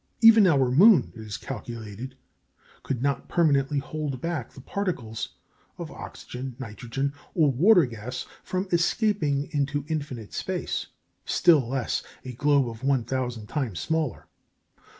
Even our moon, it is calculated, could not permanently hold back the particles of oxygen, nitrogen, or water gas from escaping into infinite space; still less, a globe one thousand times smaller.